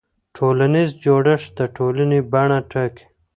ټولنیز جوړښت د ټولنې بڼه ټاکي.